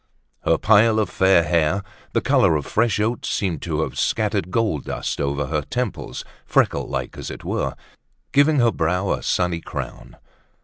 Her pile of fair hair, the color of fresh oats, seemed to have scattered gold dust over her temples, freckle like as it were, giving her brow a sunny crown.